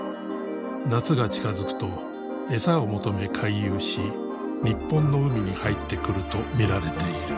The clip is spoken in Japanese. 夏が近づくと餌を求め回遊し日本の海に入ってくると見られている。